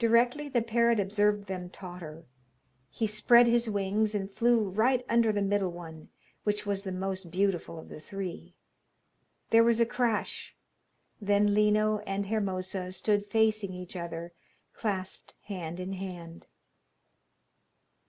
Directly the parrot observed them totter he spread his wings and flew right under the middle one, which was the most beautiful of the three. There was a crash, then Lino and Hermosa stood facing each other, clasped hand in hand.